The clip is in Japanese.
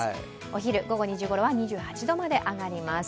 お昼、午後２時ごろは２８度まで上がります。